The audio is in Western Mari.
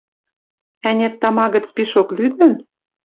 Ӓнят-тама гӹц пишок лӱдӹн